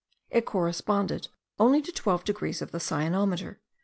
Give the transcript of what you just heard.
It corresponded only to 12 degrees of the cyanometer.